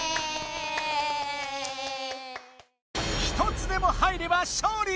１つでも入れば勝利！